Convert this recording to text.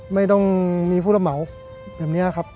ไม่ต้องมีผู้ระเหมาแบบนี้ครับ